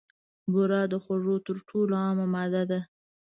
بوره د خوږو تر ټولو عامه ماده ده.